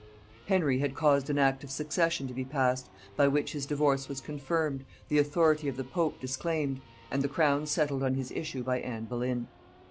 Henry had caused an act of succession to be passed, by which his divorce was confirmed, the authority of the pope disclaimed, and the crown settled on his issue by Anne Boleyn.